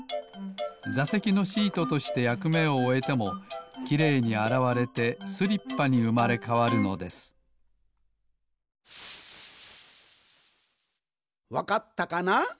ざせきのシートとしてやくめをおえてもきれいにあらわれてスリッパにうまれかわるのですわかったかな？